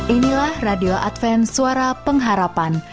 inilah radio advent suara pengharapan